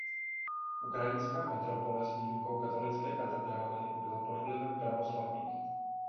Ukrajinská metropole s výjimkou katolické katedrály byla pod vlivem pravoslavných.